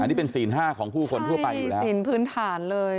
อันนี้เป็นศีลห้าของผู้คนทั่วไปอ่านเลย